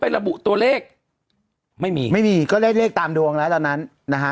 ระบุตัวเลขไม่มีไม่มีก็ได้เลขตามดวงแล้วตอนนั้นนะฮะ